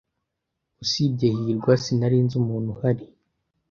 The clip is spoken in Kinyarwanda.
Usibye hirwa, sinari nzi umuntu uhari.